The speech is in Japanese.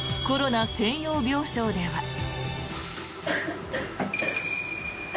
コロナ専用病床では。